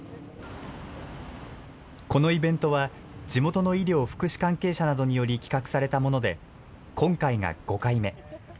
このイベントは、地元の医療福祉関係者などにより企画されたもので、今回が５回目。